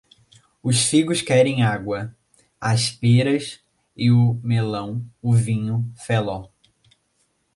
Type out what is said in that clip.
Os figos querem água; as pêras e o melão, o vinho felló.